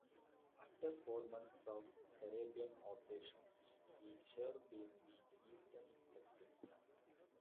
After four months of Caribbean operations, she served in the eastern Pacific.